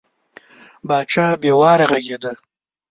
پاچا بې واره غږېده.